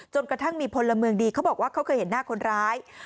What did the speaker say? กระทั่งมีพลเมืองดีเขาบอกว่าเขาเคยเห็นหน้าคนร้าย